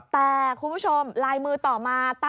แต่คุณผู้ชมลายมือต่อมาใต้น้องตั้น